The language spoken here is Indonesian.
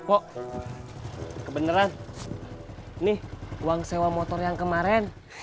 pok kebeneran nih uang sewa motor yang kemarin